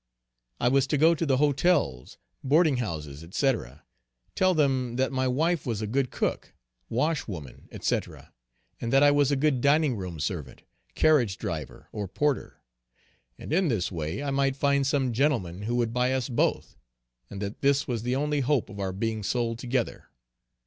I was to go to the Hotels, boarding houses, &c. tell them that my wife was a good cook, wash woman, &c, and that I was a good dining room servant, carriage driver, or porter and in this way I might find some gentleman who would buy us both; and that this was the only hope of our being sold together.